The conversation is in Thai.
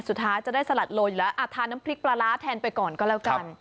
สุดท้ายจะได้สลัดโลอยู่แล้วอ่ะทานน้ำพริกปลาร้าแทนไปก่อนก็แล้วกัน